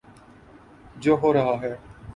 جو ہو رہا ہے۔